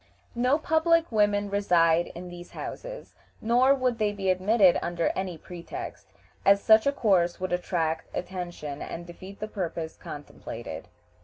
No public women reside in these houses, nor would they be admitted under any pretext, as such a course would attract attention and defeat the purposes contemplated.